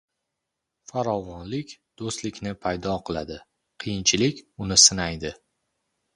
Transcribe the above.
• Farovonlik do‘stlikni paydo qiladi, qiyinchilik uni sinaydi.